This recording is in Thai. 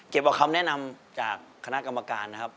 กับคำแนะนำจากคณะกรรมการนะครับ